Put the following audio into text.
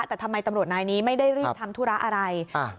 แต่ทำไมตำรวจนายนี้ไม่ได้รีบทำธุระอะไร